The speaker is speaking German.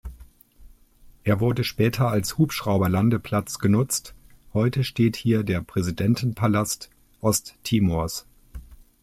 Er wurde später als Hubschrauberlandeplatz genutzt, heute steht hier der Präsidentenpalast Osttimors.